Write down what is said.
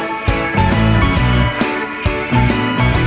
เสร็จของที่นี่